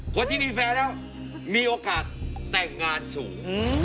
คนที่มีแฟนแล้วมีโอกาสแต่งงานสูง